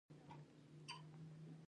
هیلۍ له ګرم اقلیم سره مینه لري